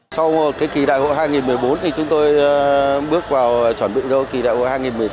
sau kỳ đại hội hai nghìn một mươi bốn chúng tôi bước vào chuẩn bị kỳ đại hội hai nghìn một mươi tám